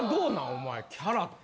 お前キャラって？